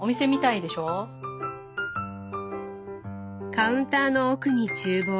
カウンターの奥に厨房。